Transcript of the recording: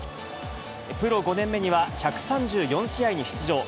プロ５年目には１３４試合に出場。